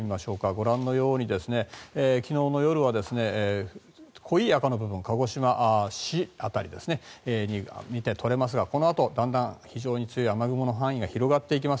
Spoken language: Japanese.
ご覧のように昨日の夜は濃い赤の部分、鹿児島市辺りに見て取れますがこのあとだんだん非常に強い雨雲の範囲が広がっていきます。